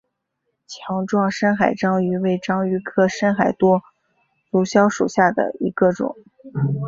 强壮深海章鱼为章鱼科深海多足蛸属下的一个种。